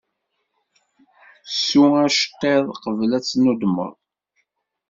Ssu aceṭṭiḍ, qbel ad tennudmeḍ.